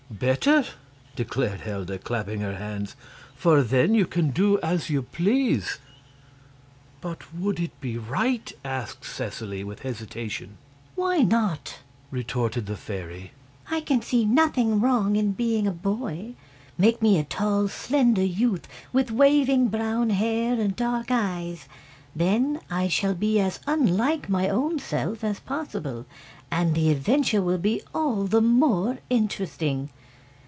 "Better!" declared Helda, clapping her hands; "for then you can do as you please." "But would it be right?" asked Seseley, with hesitation. "Why not?" retorted the fairy. "I can see nothing wrong in being a boy. Make me a tall, slender youth, with waving brown hair and dark eyes. Then I shall be as unlike my own self as possible, and the adventure will be all the more interesting.